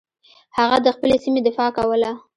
هغه د خپلې سیمې دفاع کوله.